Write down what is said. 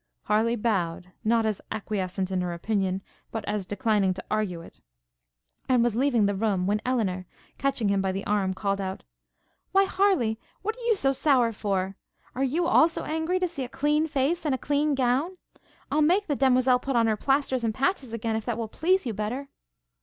Harleigh bowed, not as acquiescent in her opinion, but as declining to argue it, and was leaving the room, when Elinor, catching him by the arm, called out, 'Why, Harleigh! what are you so sour for? Are you, also, angry, to see a clean face, and a clean gown? I'll make the demoiselle put on her plasters and patches again, if that will please you better.'